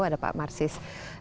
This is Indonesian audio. ada pak marsis